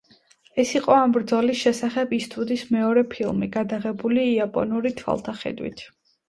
ეს იყო ამ ბრძოლის შესახებ ისტვუდის მეორე ფილმი, გადაღებული იაპონური თვალთახედვით.